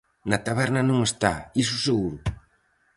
Na taberna non está, iso seguro.